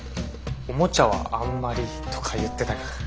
おもちゃはあんまりとか言ってたけど。